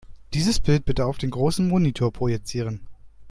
Dieses Bild bitte auf den großen Monitor projizieren.